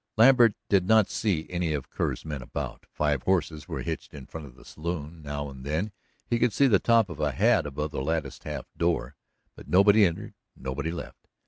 Lambert did not see any of Kerr's men about. Five horses were hitched in front of the saloon; now and then he could see the top of a hat above the latticed half door, but nobody entered, nobody left.